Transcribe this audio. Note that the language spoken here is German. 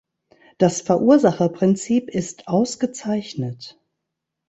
Das Verursacherprinzip ist ausgezeichnet.